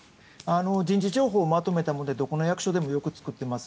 人事情報をまとめたものでどこの役所でもよく作っています。